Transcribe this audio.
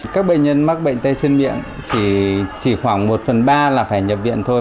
các bệnh nhân mắc bệnh tay chân miệng chỉ khoảng một phần ba là phải nhập viện thôi